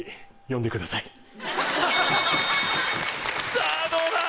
さぁどうだ